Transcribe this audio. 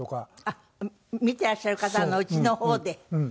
あっ見てらっしゃる方のうちの方で？